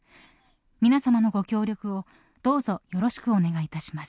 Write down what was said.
皆様のご協力をどうぞよろしくお願いいたします。